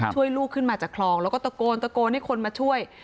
ลูกขึ้นมาจากคลองแล้วก็ตะโกนตะโกนให้คนมาช่วย